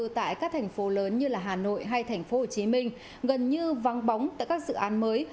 tại các thành phố lớn như hà nội hay thành phố hồ chí minh gần như vắng bóng tại các dự án mới